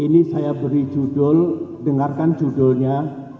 ini saya beri judul dengarkan judulnya